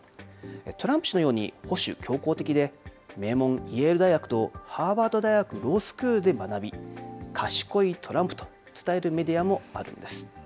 トランプ氏のように保守強硬的で、名門イェール大学とハーバード大学ロースクールで学び、賢いトランプと伝えるメディアもあるんです。